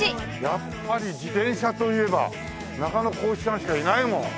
やっぱり自転車といえば中野浩一さんしかいないもん。